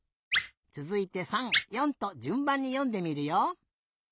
つづいて３４とじゅんばんによんでみるよ。